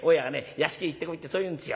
『屋敷へ行ってこい』ってそう言うんですよ。